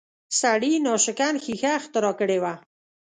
سړي ناشکن ښیښه اختراع کړې وه